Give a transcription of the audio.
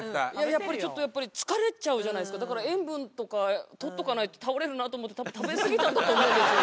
やっぱりちょっと疲れちゃうじゃないですかだから塩分とか取っとかないと倒れるなと思ってたぶん食べすぎたんだと思うんですよ。